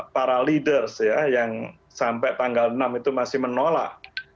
para leaders ya yang sampai tanggal enam itu masih menolak